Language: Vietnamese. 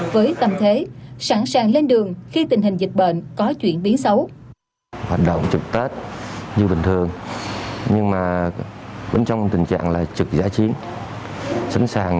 với tâm thế sẵn sàng lên đường khi tình hình dịch bệnh có chuyển biến xấu